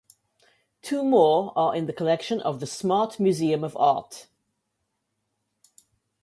Two more are in the collection of the Smart Museum of Art.